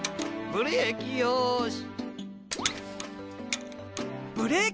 ブレーキよし。